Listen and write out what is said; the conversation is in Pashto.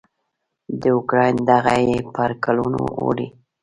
د اوکراین دغه یې پر کلونو اوړي.